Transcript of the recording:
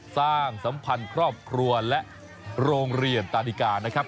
สัมพันธ์ครอบครัวและโรงเรียนตาดิกานะครับ